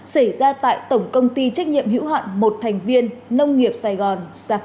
xảy ra tại tổng công ty trách nhiệm hữu hạn một thành viên nông nghiệp sài gòn